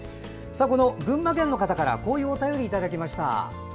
この群馬県の方からこういうお便りをいただきました。